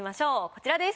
こちらです。